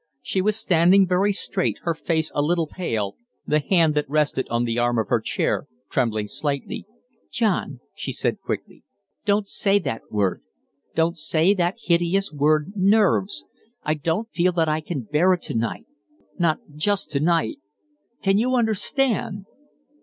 She was standing very straight, her face a little pale, the hand that rested on the arm of her chair trembling slightly. "John," she said, quickly, "don't say that word? Don't say that hideous word `nerves'! I don't feel that I can bear it to night not just to night. Can you understand?"